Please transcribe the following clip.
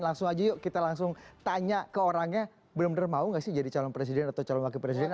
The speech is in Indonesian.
langsung aja yuk kita langsung tanya ke orangnya bener bener mau gak sih jadi calon presiden atau calon wakil presiden